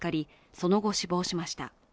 その後、死亡しました。